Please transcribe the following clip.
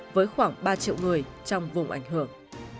với khoảng ba triệu người trong vùng ảnh hưởng